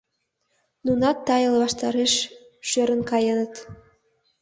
Нунат тайыл ваштареш шӧрын каеныт.